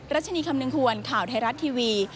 รัชนีคำนึงควรข่าวไทยรัฐทีวี